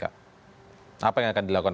apa yang akan dilakukan